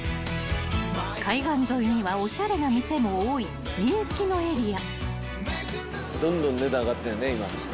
［海岸沿いにはおしゃれな店も多い人気のエリア］